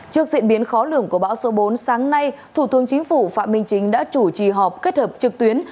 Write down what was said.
trước diễn biến khó lường của bão số bốn sáng nay thủ tướng chính phủ phạm minh chính đã chủ trì họp kết hợp trực tuyến